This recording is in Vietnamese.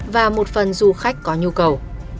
và một phần du khách có nhu cầu